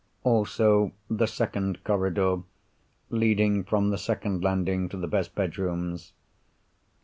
Also, the second corridor, leading from the second landing to the best bedrooms.